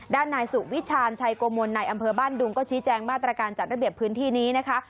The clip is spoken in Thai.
ด้านนายสุวิชาญชัยโกมลในอำเภอบ้านดุงก็ชี้แจงมาตรการจัดระเบียบพื้นที่นี้นะคะ